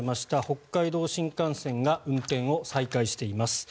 北海道新幹線が運転を再開しています。